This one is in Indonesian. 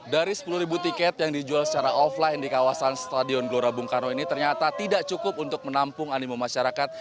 dari sepuluh ribu tiket yang dijual secara offline di kawasan stadion gelora bung karno ini ternyata tidak cukup untuk menampung animo masyarakat